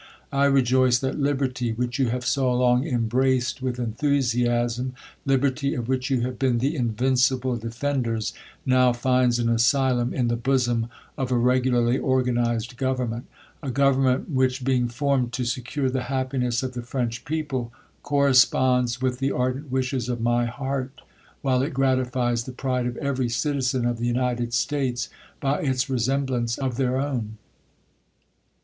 I rejoice that liberty, which you have so long embraced with enthusiasm; liberty, of which you have been the invincible defenders, now finds an asylum in 'the bo;^om of a regularly organized government : a government, which, being formed to secure the happiness of the French people, corresponds with the ardent wishes of my heart, while it gratifies the pride of every citizen of the United States, by its resemblance of their own.